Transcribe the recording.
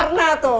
tuh pernah tuh